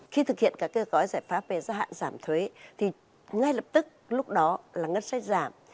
khi thực hiện các cơ gói giải pháp về giảm thuế thì ngay lập tức lúc đó là ngân sách giảm